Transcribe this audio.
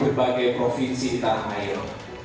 di berbagai provinsi di tanah nair